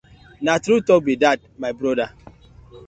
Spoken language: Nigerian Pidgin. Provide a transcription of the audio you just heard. Na true talk be dat my brother.